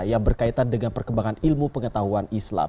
yang berkaitan dengan perkembangan ilmu pengetahuan islam